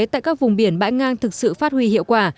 tại các vùng biển bãi ngang thực sự phát huy hiệu quả